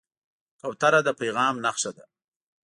کوتره د پیغام نښه ده.